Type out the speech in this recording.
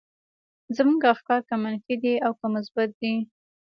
زموږ افکار که منفي دي او که مثبت دي.